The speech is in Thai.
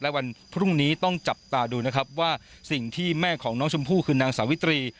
และวันพรุ่งนี้ต้องจับตาดูนะครับว่าสิ่งที่แม่ของน้องชมพู่คือนางสาวิตรี